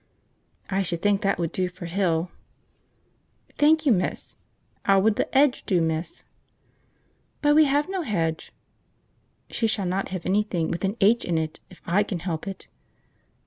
"I should think that would do for Hill." "Thank you, miss. 'Ow would 'The 'Edge' do, miss?" "But we have no hedge." (She shall not have anything with an h in it, if I can help it.)